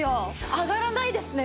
上がらないですね